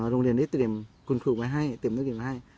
โรงเรียนได้เตรียมคุณครูไว้ให้เตรียมนักเรียนไว้ให้